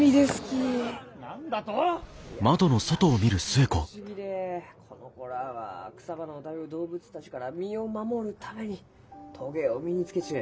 ・いやなんとも不思議でこの子らは草花を食べる動物たちから身を守るためにトゲを身につけちゅう。